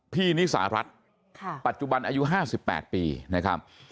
นิสารัฐปัจจุบันอายุ๕๘ปีนะครับ